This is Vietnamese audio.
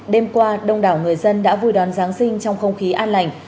đêm qua đông đảo người dân đã vui đón giáng sinh trong không khí an lành